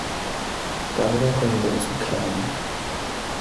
Darüber können wir uns beklagen.